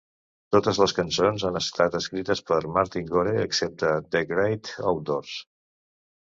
Totes les cançons han estat escrites per Martin Gore, excepte The Great Outdoors!